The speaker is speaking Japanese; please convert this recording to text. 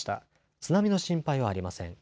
津波の心配はありません。